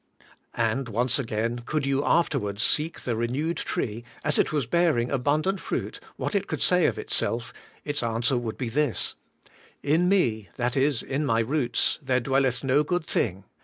And, once again, could you afterwards seek the renewed tree, as it was bearing abundant fruit, what it could say of itself, its answer would be this: 'In me, that is, in my roots, there dwelleth no good thing.